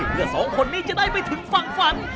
เพื่อสองคนนี้จะได้ไปถึงฝั่งฝัน